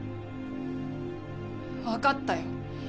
わかったよ。